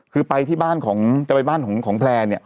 คือไปที่บ้านของจะไปบ้านของแพลร์เนี่ย